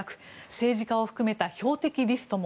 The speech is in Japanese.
政治家を含めた標的リストも。